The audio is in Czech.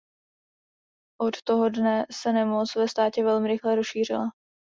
Od toho dne se nemoc ve státě velmi rychle rozšířila.